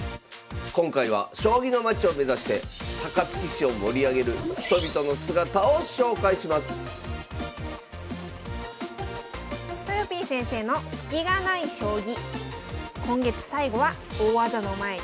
今回は将棋のまちを目指して高槻市を盛り上げる人々の姿を紹介しますとよぴー先生の「スキがない将棋」。